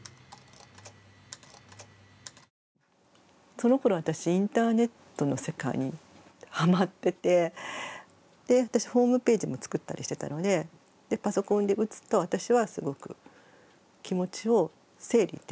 そのころ私インターネットの世界にはまってて私ホームページも作ったりしてたのでパソコンで打つと私はすごく気持ちを整理できたんですよ。